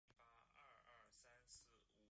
为两个相对式月台。